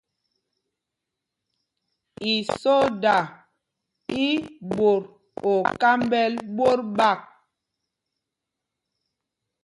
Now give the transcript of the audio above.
Isoda í mbot o kámbɛl ɓot ɓák.